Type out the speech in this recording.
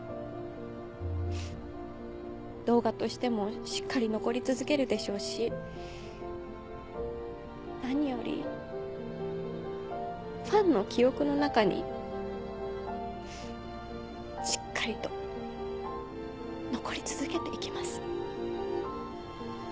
動画としてもしっかり残り続けるでしょうし何よりファンの記憶の中にしっかりと残り続けて行きます。